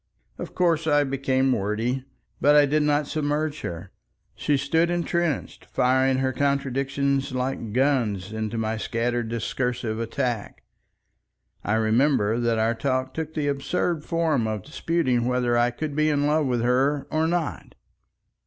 Of course I became wordy. But I did not submerge her. She stood entrenched, firing her contradictions like guns into my scattered discursive attack. I remember that our talk took the absurd form of disputing whether I could be in love with her or not.